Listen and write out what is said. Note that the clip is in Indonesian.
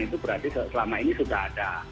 itu berarti selama ini sudah ada